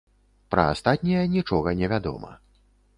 Пра астатнія нічога не вядома.